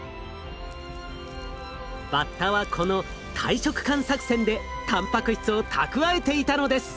バッタはこの大食漢作戦でたんぱく質を蓄えていたのです！